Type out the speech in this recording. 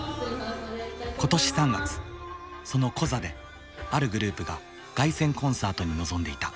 今年３月そのコザであるグループが凱旋コンサートに臨んでいた。